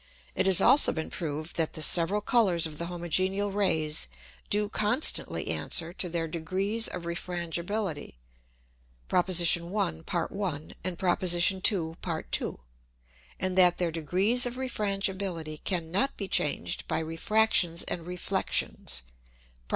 It has also been proved that the several Colours of the homogeneal Rays do constantly answer to their degrees of Refrangibility, (Prop. 1. Part 1. and Prop. 2. Part 2.) and that their degrees of Refrangibility cannot be changed by Refractions and Reflexions (_Prop.